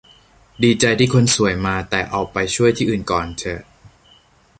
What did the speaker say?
ดีใจที่คนสวยมา แต่เอาไปช่วยที่อื่นก่อนเถอะ